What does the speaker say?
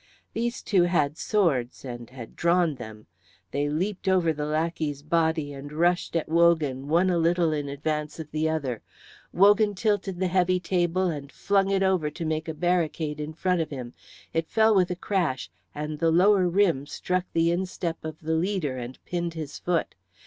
These two had swords and had drawn them. They leaped over the lackey's body and rushed at Wogan one a little in advance of the other. Wogan tilted the heavy table and flung it over to make a barricade in front of him. It fell with a crash, and the lower rim struck upon the instep of the leader and pinned his foot.